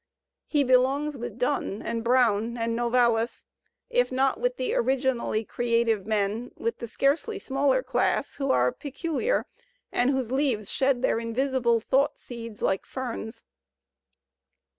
He belongs with Donne and Browne and Novalis; if not with the originally creative men, with the scarcely smaller class who are peculiar, and whose leaves shed their invisible thought seeds like ferns."